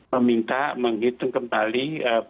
meminta menghitung kembali